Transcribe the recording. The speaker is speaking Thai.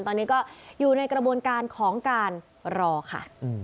ตอนนี้ก็อยู่ในกระบวนการของการรอค่ะ